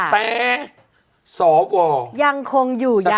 แต่สวยังคงอยู่ยัง